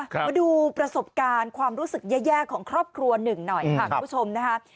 มาดูประสบการณ์ความรู้สึกแย่ของครอบครัวหนึ่งหน่อยค่ะคุณผู้ชมนะคะ